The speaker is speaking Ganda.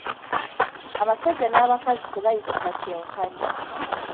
Abasajja n'abakazi tebayisibwa kyenkanyi.